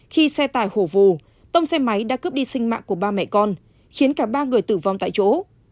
khi xe tải hổ vù tông xe máy đã cướp đi sinh mạng của ba mẹ con khiến cả ba người tử vong tại chỗ